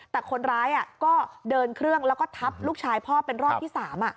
แต่คนร้ายก็เดินเครื่องแล้วก็ทับลูกชายพ่อเป็นรอบที่๓